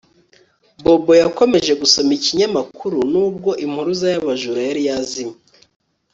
Bobo yakomeje gusoma ikinyamakuru nubwo impuruza yabajura yari yazimye